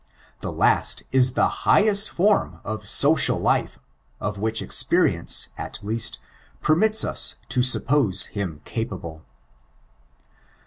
The last is the highest form of aocial life of which experience, at least, permits us to suppose him capable.